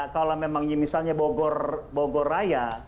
kalau memang misalnya bogor raya